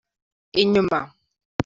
inyuma.